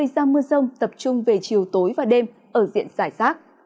nhiệt độ cao nhất ngày tại khu vực nam đông tập trung về chiều tối và đêm ở diện giải sát